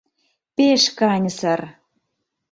Пеш каньысыр!..